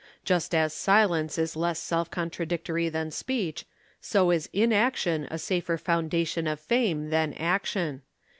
Just as silence is less self contradictory than speech, so is inaction a safer foundation of fame than action.